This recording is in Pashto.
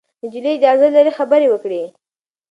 نجلۍ اجازه لري خبرې وکړي.